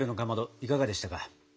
いかがでしたか？